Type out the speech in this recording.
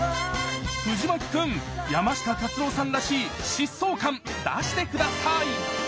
藤牧くん山下達郎さんらしい疾走感出して下さい！